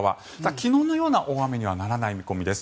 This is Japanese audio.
昨日のような大雨にはならない見込みです。